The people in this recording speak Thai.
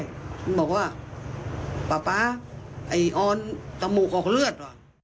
คุณบอกว่าป๊าไอ้ออนตะหมูกออกเลือด